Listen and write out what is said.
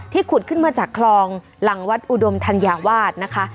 ขุดขึ้นมาจากคลองหลังวัดอุดมธัญวาสนะคะ